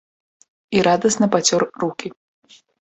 І радасна пацёр рукі.